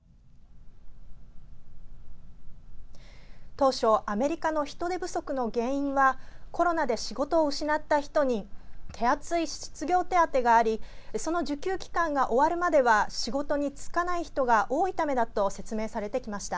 当初、アメリカの人手不足の原因はコロナで仕事を失った人に手厚い失業手当がありその受給期間が終わるまでは仕事に就かない人が多いためだと説明されてきました。